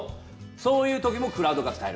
そういう時もクラウドが使える。